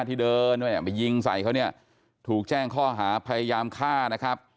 ที่เดินด้วยเนี่ยมายิงใส่เขาเนี่ยถูกแจ้งข้อหาพยายามฆ่านะครับ